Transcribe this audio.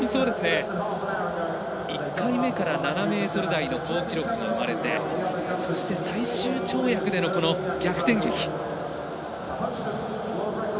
１回目から７ｍ台の好記録が生まれてそして最終跳躍での逆転劇。